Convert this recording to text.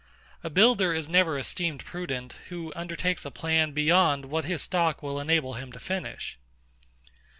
A builder is never esteemed prudent, who undertakes a plan beyond what his stock will enable him to finish.